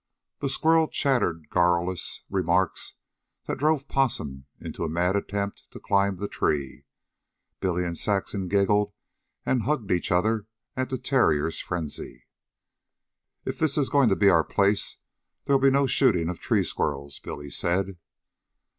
The squirrel chattered garrulous remarks that drove Possum into a mad attempt to climb the tree. Billy and Saxon giggled and hugged each other at the terrier's frenzy. "If this is goin' to be our place, they'll be no shootin' of tree squirrels," Billy said.